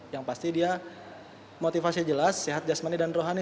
yang pasti dia motivasi jelas sehat jasmani dan rohani